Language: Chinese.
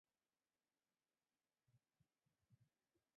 越狱者为陈聪聪和孙星辰。